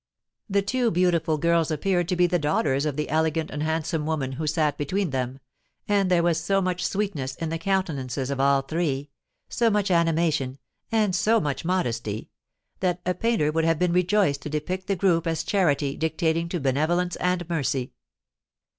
The two beautiful girls appeared to be the daughters of the elegant and handsome woman who sate between them; and there was so much sweetness in the countenances of all three—so much animation, and so much modesty—that a painter would have been rejoiced to depict the group as Charity dictating to Benevolence and Mercy.